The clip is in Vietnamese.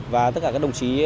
và tất cả các đồng chí